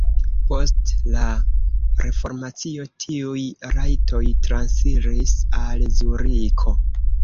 Post la reformacio tiuj rajtoj transiris al Zuriko.